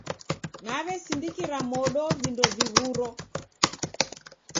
Nawesindikira modo vindo viw'uro.